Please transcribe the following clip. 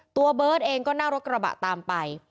ตัวเบิร์ตเองก็นั่งรถกระบะตามไป